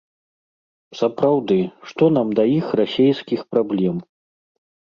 Сапраўды, што нам да іх, расейскіх, праблем?